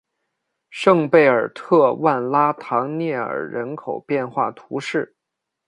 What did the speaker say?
圣贝尔特万拉唐涅尔人口变化图示